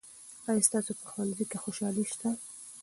آیا ستاسو په ښوونځي کې خوشالي سته؟